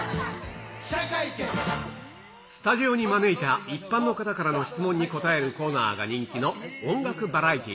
スタジオに招いた一般の方からの質問に答えるコーナーが人気の音楽バラエティ。